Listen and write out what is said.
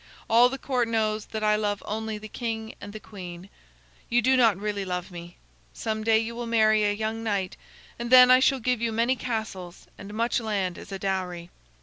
All the court knows that I love only the king and the queen. You do not really love me. Some day you will marry a young knight, and then I shall give you many castles and much land as a dowry."